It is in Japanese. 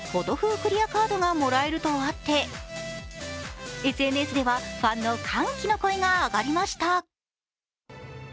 クリアカードがもらえるとあってＳＮＳではファンの歓喜の声が上がりました。